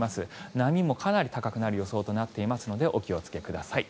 波もかなり高くなる予想となっていますのでお気をつけください。